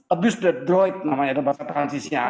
abuse the droid namanya dalam bahasa prancisnya